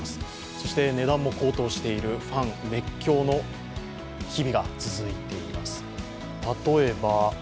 そして、値段も高騰しているファン熱狂の日々が続いています。